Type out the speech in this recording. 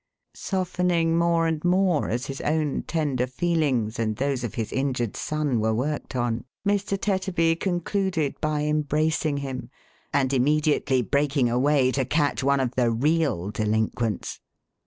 " Softening more and more, as his own tender feelings and those of his injured son were worked on, Mr. Tetter by con cluded by embracing him, and immediately breaking away to catch one of the real delinquents.